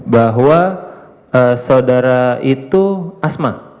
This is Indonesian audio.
bahwa saudara itu asma